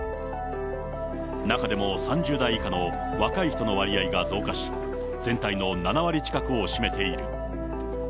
中でも３０代以下の若い人の割合が増加し、全体の７割近くを占めている。